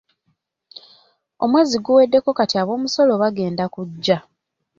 Omwezi guweddeko kati ab’omusolo bagenda kujja.